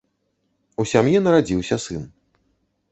У сям'і нарадзіўся сын.